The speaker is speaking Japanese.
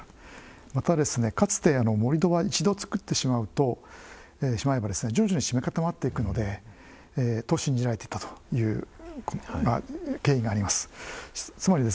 また、かつては盛土は一度、造ってしまえば徐々に締め固まっていくと信じられていたという経緯があります。